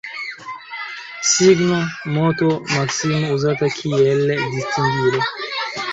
Signo, moto, maksimo uzata kiel distingilo.